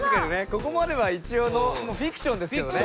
ここまでは一応フィクションですけどね」